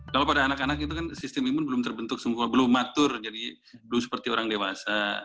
kalau pada anak anak itu kan sistem imun belum terbentuk semua belum matur jadi belum seperti orang dewasa